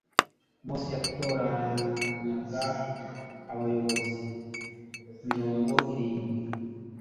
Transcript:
Mose yatoranyaga abayobozi mirongo irindwi